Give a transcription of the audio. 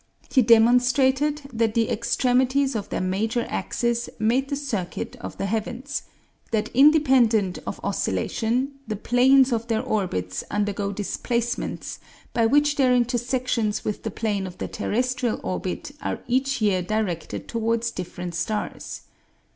He demonstrated that the extremities of their major axes make the circuit of the heavens; that independent of oscillation, the planes of their orbits undergo displacements by which their intersections with the plane of the terrestrial orbit are each year directed toward different stars.